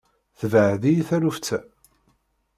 Tebɛed-iyi taluft-a.